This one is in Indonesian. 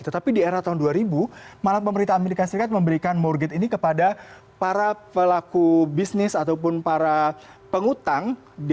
tetapi di era tahun dua ribu malah pemerintah amerika serikat memberikan morgade ini kepada para pelaku bisnis ataupun para pengutang